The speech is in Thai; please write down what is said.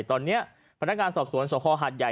ตอนเนี่ยพนักการศอบศวนศงศพหัฐยัย